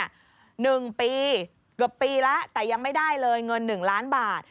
เกือบปีแล้วแต่ยังไม่ได้เลยเงิน๑ล้านบาท